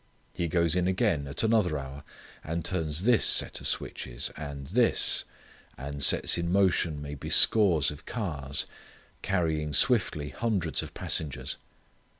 He goes in again at another hour, and turns this set of switches, and this, and sets in motion maybe scores of cars, carrying swiftly, hundreds of passengers.